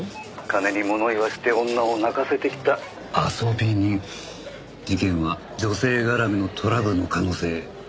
「金に物を言わせて女を泣かせてきた遊び人」事件は女性絡みのトラブルの可能性大ですね。